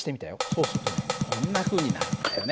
そうするとこんなふうになるんだよね。